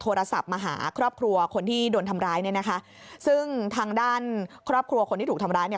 โทรศัพท์มาหาครอบครัวคนที่โดนทำร้ายเนี่ยนะคะซึ่งทางด้านครอบครัวคนที่ถูกทำร้ายเนี่ย